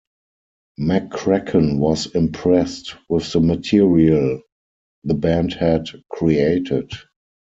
McCracken was impressed with the material the band had created.